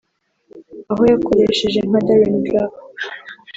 aho yakoresheje nka Darren Clarke